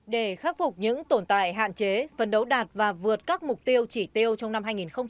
để khắc phục những tồn tại hạn chế phấn đấu đạt và vượt các mục tiêu chỉ tiêu trong năm hai nghìn hai mươi